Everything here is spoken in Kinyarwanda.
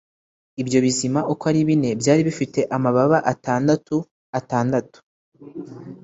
Ibyo bizima uko ari bine byari bifite amababa atandatu atandatu,